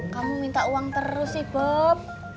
kamu minta uang terus sih bob